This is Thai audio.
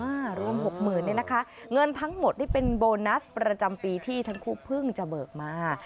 รวมหกหมื่นเนี่ยนะคะเงินทั้งหมดนี่เป็นโบนัสประจำปีที่ทั้งคู่เพิ่งจะเบิกมา